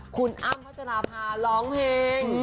คุณอ้ำพัชราภาร้องเพลง